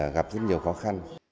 gặp rất nhiều khó khăn